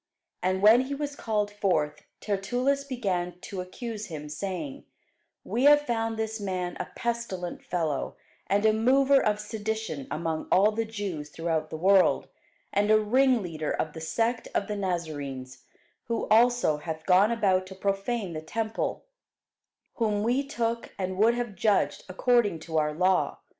And when he was called forth, Tertullus began to accuse him, saying, We have found this man a pestilent fellow, and a mover of sedition among all the Jews throughout the world, and a ringleader of the sect of the Nazarenes: who also hath gone about to profane the temple: whom we took, and would have judged according to our law.